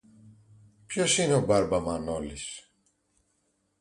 Ποιος είναι ο μπαρμπα-Μανόλης;